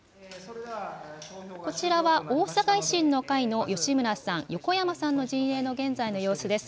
こちらは大阪維新の会の吉村さん、横山さんの陣営の現在の様子です。